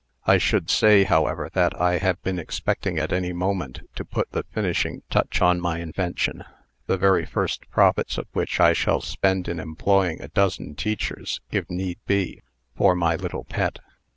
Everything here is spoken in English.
I should say, however, that I have been expecting at any moment to put the finishing touch on my invention, the very first profits of which I shall spend in employing a dozen teachers, if need be, for my little Pet.